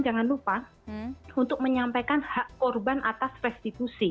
jangan lupa untuk menyampaikan hak korban atas restitusi